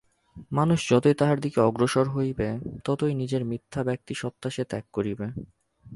মানুষ যতই তাঁহার দিকে অগ্রসর হইবে, ততই নিজের মিথ্যা ব্যক্তি-সত্তা সে ত্যাগ করিবে।